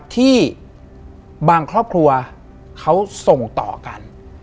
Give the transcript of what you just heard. ที่บางครอบครัวเขาส่งต่อกัน